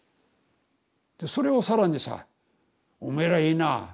でそれを更にさ「おめえらいいな。